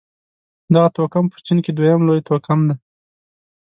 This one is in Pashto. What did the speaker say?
دغه توکم په چين کې دویم لوی توکم دی.